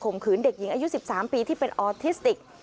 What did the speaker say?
ขืนเด็กหญิงอายุ๑๓ปีที่เป็นออทิสติก